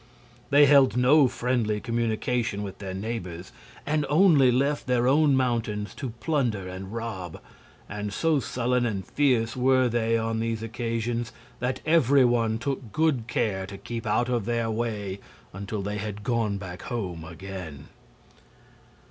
They held no friendly communication with their neighbors, and only left their own mountains to plunder and rob; and so sullen and fierce were they on these occasions that every one took good care to keep out of their way until they had gone back home again.